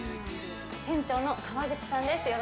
店長の川口さんです。